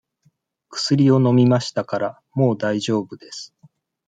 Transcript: くすりを飲みましたから、もうだいじょうぶです。